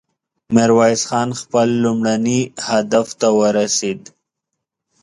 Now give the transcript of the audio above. ميرويس خان خپل لومړني هدف ته ورسېد.